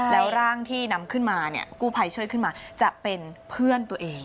แล้วร่างที่นำขึ้นมาเนี่ยกู้ภัยช่วยขึ้นมาจะเป็นเพื่อนตัวเอง